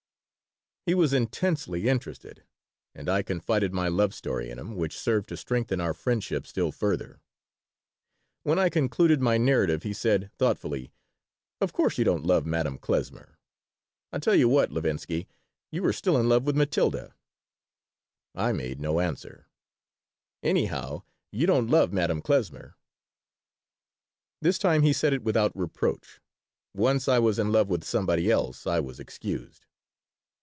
He was intensely interested, and I confided my love story in him, which served to strengthen our friendship still further. When I concluded my narrative he said, thoughtfully: "Of course you don't love Madame Klesmer. I tell you what, Levinsky, you are still in love with Matilda." I made no answer "Anyhow, you don't love Madame Klesmer." This time he said it without reproach. Once I was in love with somebody else I was excused.